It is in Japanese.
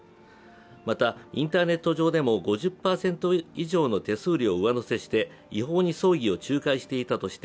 また、インターネット上でも５０％以上の手数料を上乗せして違法に葬儀を仲介していたとして